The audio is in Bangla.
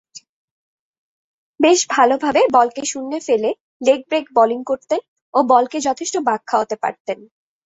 বেশ ভালোভাবে বলকে শূন্যে ফেলে লেগ-ব্রেক বোলিং করতেন ও বলকে যথেষ্ট বাঁক খাওয়াতে পারতেন।